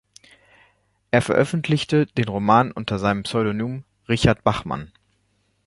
Er veröffentlichte den Roman unter seinem Pseudonym "Richard Bachman".